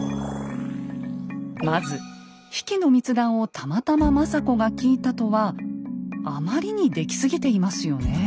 まず比企の密談をたまたま政子が聞いたとはあまりに出来すぎていますよね。